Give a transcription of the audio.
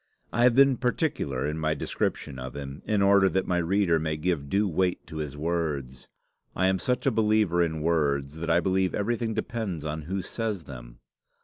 I have been particular in my description of him, in order that my reader may give due weight to his words. I am such a believer in words, that I believe everything depends on who says them.